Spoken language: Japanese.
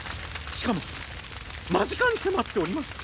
しかも間近に迫っております。